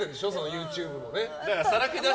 ＹｏｕＴｕｂｅでは。